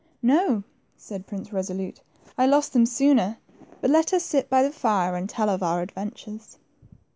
" No," said Prince Eesolute, I lost them sooner ; but let us sit by the fire, and tell of our adventures."